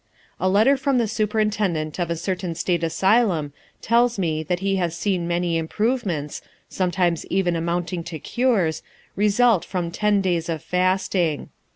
A letter from the superintendent of a certain state asylum tells me that he has seen many improvements, sometimes even amounting to cures, result from ten days of fasting.